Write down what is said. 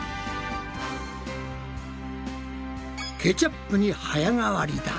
ケチャップに早変わりだ。